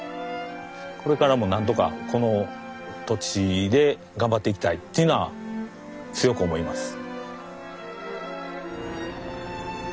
これからも何とかこの土地で頑張っていきたいっていうのは強く思います。